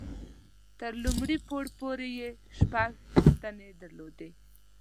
تر لومړي پوړ پورې یې شپږ ستنې درلودې.